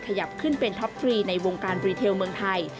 ขยับขึ้นเป็นท็อปฟรีในวงการรีเทลเมืองไทย